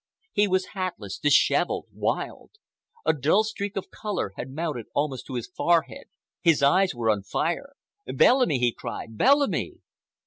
He was hatless, dishevelled, wild. A dull streak of color had mounted almost to his forehead, his eyes were on fire. "Bellamy!" he cried. "Bellamy!"